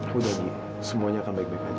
sudah gie semuanya akan baik baik saja